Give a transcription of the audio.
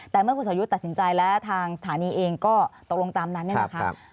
แต่เมื่อคุณสอยุทธ์ตัดสินใจแล้วทางสถานีเองก็ตกลงตามนั้นเนี่ยนะคะ